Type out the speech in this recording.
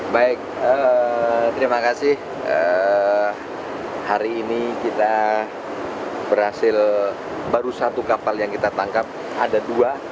baik terima kasih hari ini kita berhasil baru satu kapal yang kita tangkap ada dua